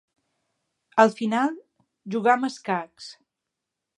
Al final, juguem a escacs.